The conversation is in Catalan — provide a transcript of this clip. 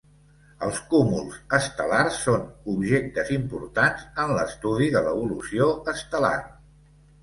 Els cúmuls estel·lars són objectes importants en l'estudi de l'evolució estel·lar.